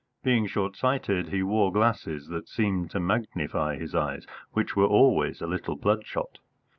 Being short sighted, he wore glasses that seemed to magnify his eyes, which were always a little bloodshot.